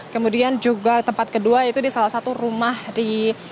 kemudian juga tempat kedua yaitu di salah satu rumah di